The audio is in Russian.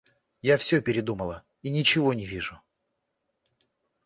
Я всё передумала и ничего не вижу.